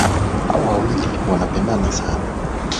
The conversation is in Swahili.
hao wawili wanapendana sana